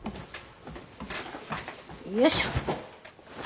よいしょ。